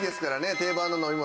定番の飲み物